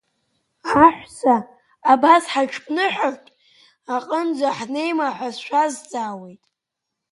Аҳәса абас ҳаҽԥнырҳәартә аҟынӡа ҳнеима ҳәа сшәазҵаауеит?